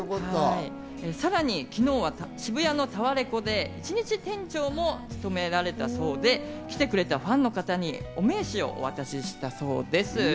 さらに昨日は渋谷のタワレコで１日店長も務められたそうで、来てくれたファンの方にお名刺を渡したそうです。